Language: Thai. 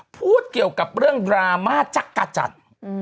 พูดเกี่ยวกับเรื่องดราม่าจักรจันทร์